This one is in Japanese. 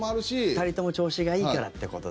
２人とも調子がいいからってことだ。